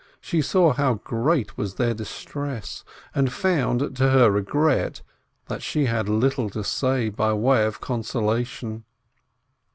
She saw how great was their distress, and found, to her regret, that she had little to say by way of consolation.